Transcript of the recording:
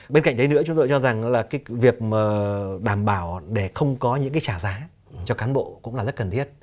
bên cạnh đấy nữa chúng tôi cho rằng là cái việc đảm bảo để không có những cái trả giá cho cán bộ cũng là rất cần thiết